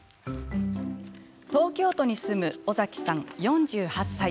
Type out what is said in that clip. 東京都に住む尾崎さん、４８歳。